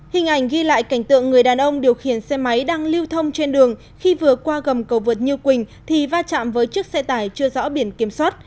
hình ảnh ghi lại cảnh tượng người đàn ông điều khiển xe máy đang lưu thông trên đường khi vừa qua gầm cầu vượt như quỳnh thì va chạm với chiếc xe tải chưa rõ biển kiểm soát